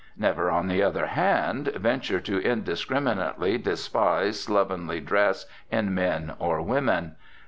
Never, on the other hand venture to indiscriminately despise slovenly dress in men or women.